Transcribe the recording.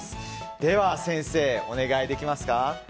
では先生、お願いできますか。